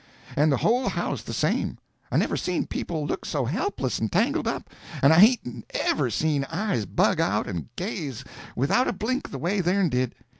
And the whole house the same. I never seen people look so helpless and tangled up, and I hain't ever seen eyes bug out and gaze without a blink the way theirn did.